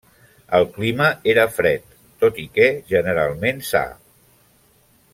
El clima hi era fred, tot i que generalment sa.